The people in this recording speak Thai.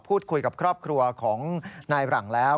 พูดคุยกับครอบครัวของนายหลังแล้ว